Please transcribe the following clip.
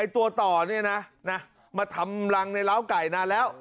ตัวต่อเนี่ยนะมาทำรังในร้าวไก่นานแล้ว